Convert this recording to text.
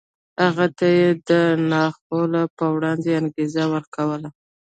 هغه ته یې د ناخوالو په وړاندې انګېزه ورکوله